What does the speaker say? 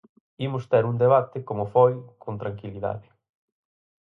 Imos ter un debate como foi, con tranquilidade.